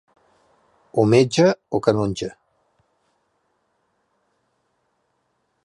O metge o canonge.